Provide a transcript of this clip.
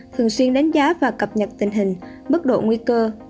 thường xuyên đánh giá và cập nhật tình hình mức độ nguy cơ